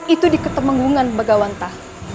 itu di ketemenggungan bagawanta